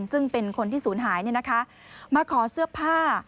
ซึ่งเป็นคนที่ศูนย์หายมาขอเสื้อผ้า